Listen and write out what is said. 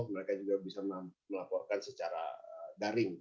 mereka juga bisa melaporkan secara daring